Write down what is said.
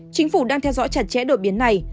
chính phủ đang theo dõi chặt chẽ đột biến này